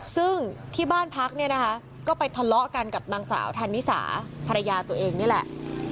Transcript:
ซึ่งที่บ้านพักก็ไปทัลเลาะกันกับสาวธันตุ์นิสาธุ์ภรรยาตัวเองนี่แหละ